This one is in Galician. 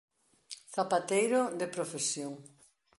Zapateiro de profesión.